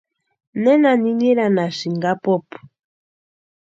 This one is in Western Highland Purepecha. ¿Nena niniranhasïni apupu?